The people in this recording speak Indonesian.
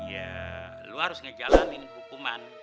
ya lo harus ngejalanin hukuman